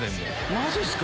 マジっすか？